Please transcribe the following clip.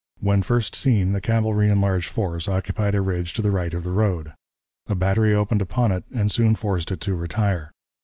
When first seen, the cavalry in large force occupied a ridge to the right of the road. A battery opened upon it and soon forced it to retire.